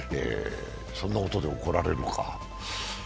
そんなことで怒られるのか。